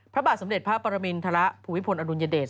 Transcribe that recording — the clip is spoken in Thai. พระบาทสมเด็จพระปรมินทรภูมิพลอดุลยเดช